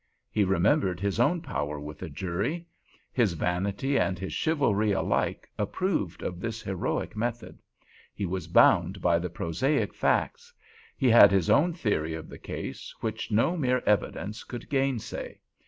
He remembered his own power with a jury; his vanity and his chivalry alike approved of this heroic method; he was bound by the prosaic facts—he had his own theory of the case, which no mere evidence could gainsay.